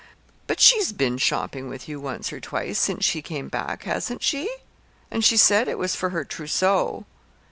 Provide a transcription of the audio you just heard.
"But she's been shopping with you once or twice, since she came back, hasn't she? And she said it was for her trousseau."